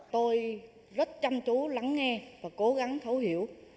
tôi rất chăm chú lắng nghe và cố gắng thấu hiểu